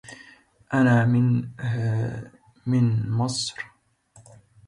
Beck's format included the use of diagrams and visual aids.